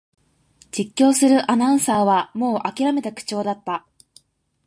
実況するアナウンサーはもうあきらめた口調だった